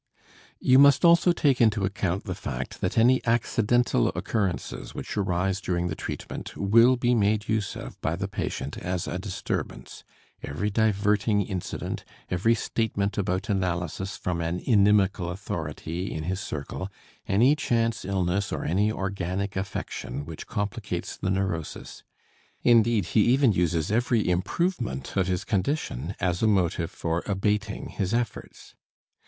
You must also take into account the fact that any accidental occurrences which arise during the treatment will be made use of by the patient as a disturbance every diverting incident, every statement about analysis from an inimical authority in his circle, any chance illness or any organic affection which complicates the neurosis; indeed, he even uses every improvement of his condition as a motive for abating his efforts.